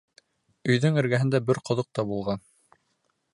Өйҙөң эргәһендә бер ҡоҙоҡ та булған.